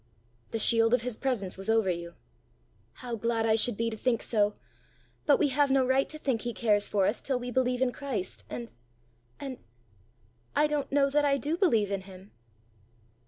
"The shield of his presence was over you." "How glad I should be to think so! But we have no right to think he cares for us till we believe in Christ and and I don't know that I do believe in him!"